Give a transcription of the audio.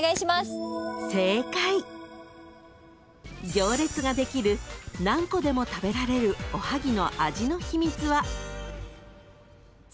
［行列ができる何個でも食べられるおはぎの味の秘密は］